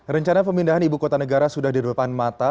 rencana pemindahan ibu kota negara sudah di depan mata